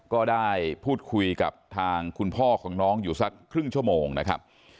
ก็ได้พูดคุยกับทางคุณพ่อของน้องอยู่สักครึ่งชั่วโมงนะครับ